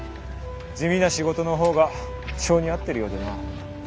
地味な仕事の方が性に合ってるようでな。